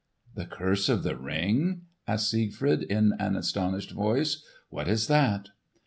"The curse of the Ring?" asked Siegfried in an astonished voice. "What is that?"